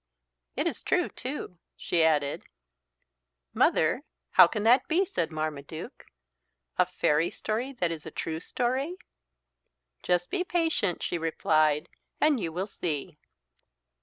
"It is true too," she added. "Mother, how can that be," said Marmaduke. "A fairy story that is a true story?" "Just be patient," she replied, "and you will see."